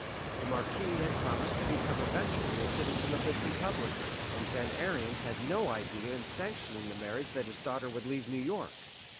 The Marquis had promised to become eventually a citizen of this Republic, and Van Ariens had no idea in sanctioning the marriage that his daughter would leave New York.